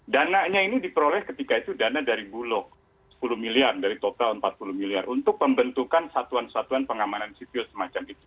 dananya ini diperoleh ketika itu dana dari bulog sepuluh miliar dari total empat puluh miliar untuk pembentukan satuan satuan pengamanan sipil semacam itu